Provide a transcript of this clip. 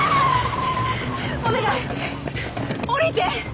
お願い降りて！